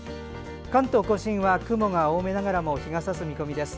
関東・甲信は雲が多めながらも日がさす見込みです。